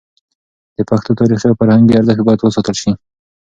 د پښتو تاریخي او فرهنګي ارزښت باید وساتل شي.